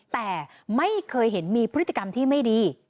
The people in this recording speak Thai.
แต่ไม่เคยเห็นมีพฤติกรรมที่ไม่ดี